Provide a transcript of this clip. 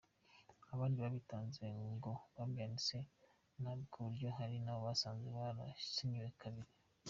Abandi babitanze ngo babyanditse nabi kuburyo hari abo basanze barasinyiwe kabiri.